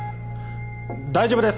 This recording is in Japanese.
大丈夫です